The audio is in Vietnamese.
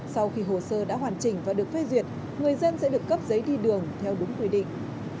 sau khi hồ sơ đã hoàn chỉnh và được phê duyệt người dân sẽ được cấp giấy đi đường theo đúng quy định